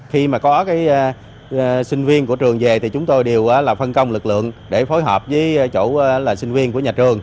khi mà có sinh viên của trường về thì chúng tôi đều là phân công lực lượng để phối hợp với chủ là sinh viên của nhà trường